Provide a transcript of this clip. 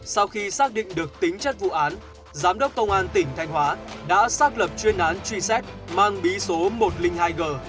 sau khi xác định được tính chất vụ án giám đốc công an tỉnh thanh hóa đã xác lập chuyên án truy xét mang bí số một trăm linh hai g